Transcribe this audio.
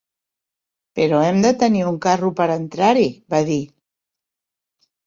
"Però hem de tenir un carro per entrar-hi", va dir.